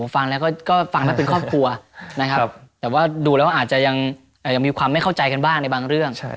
ฟังแล้วก็ฟังแล้วเป็นครอบครัวนะครับแต่ว่าดูแล้วอาจจะยังมีความไม่เข้าใจกันบ้างในบางเรื่อง